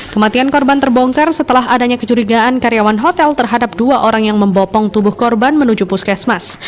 kematian korban terbongkar setelah adanya kecurigaan karyawan hotel terhadap dua orang yang membopong tubuh korban menuju puskesmas